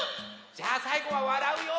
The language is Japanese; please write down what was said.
じゃあさいごはわらうよ！